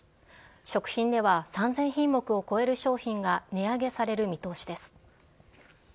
食品では３０００品目を超える商品が値上げされる見通しです。